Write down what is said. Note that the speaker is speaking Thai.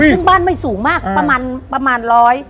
ซึ่งบ้านไม่สูงมากประมาณ๑๐๐